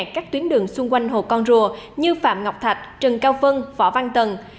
các tuyến đường xung quanh hồ con rùa như phạm ngọc thạch trần cao vân võ văn tần